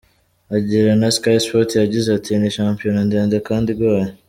Aganira na Sky Sports, yagize ati “ Ni shampiyona ndende kandi igoye.